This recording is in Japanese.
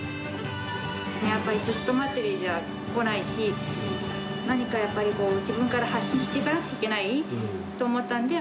やっぱりずっと待っていても来ないし、何かやっぱり自分から発信していかなくちゃいけないと思ったんで。